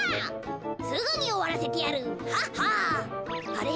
あれ？